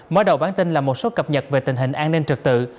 mở đầu bản tin là một số cập nhật về tình hình an ninh trực tự